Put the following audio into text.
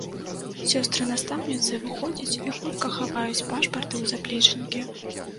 Сёстры-настаўніцы выходзяць і хутка хаваюць пашпарты ў заплечнікі.